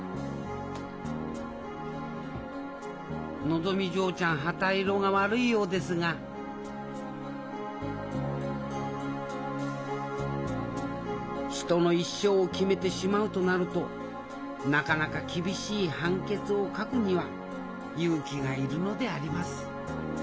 のぞみ嬢ちゃん旗色が悪いようですが人の一生を決めてしまうとなるとなかなか厳しい判決を書くには勇気がいるのであります